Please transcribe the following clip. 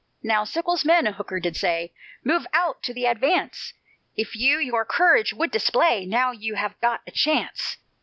"Now, Sickles' men," Hooker did say, "Move out to the advance; If you your courage would display, Now you have got a chance.